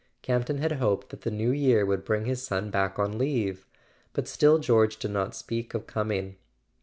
Camp ton had hoped that the New Year would bring his son back on leave; but still George did not speak of com¬ ing.